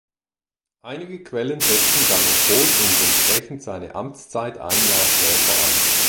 Einige Quellen setzen seinen Tod und entsprechend seine Amtszeit ein Jahr später an.